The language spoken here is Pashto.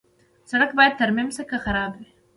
سړک باید ترمیم شي که خراب وي.